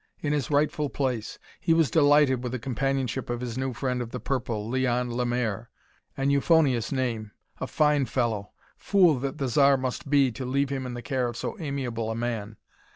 In his rightful place. He was delighted with the companionship of his new friend of the purple, Leon Lemaire. An euphonious name! A fine fellow! Fool that the Zar must be, to leave him in the care of so amiable a man.